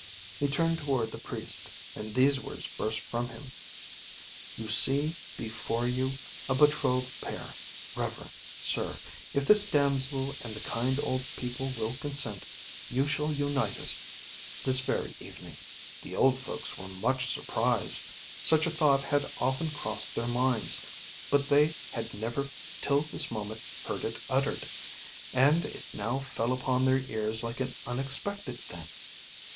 He turned toward the Priest, and these words burst from him: "You see before you a betrothed pair, reverend sir; if this damsel and the kind old people will consent, you shall unite us this very evening." The old folks were much surprised. Such a thought had often crossed their minds, but they had never till this moment heard it uttered; and it now fell upon their ears like an unexpected thing.